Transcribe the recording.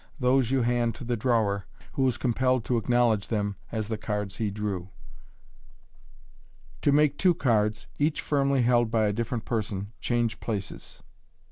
These you hand to the drawer, who is compelled to acknowledge them as the cards he drew. MODERN MA G/C Wl To make Two Cards, bach firmly held bt a different Person, change places.